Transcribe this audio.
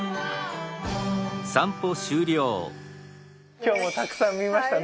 今日もたくさん見ましたね。